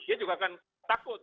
dia juga akan takut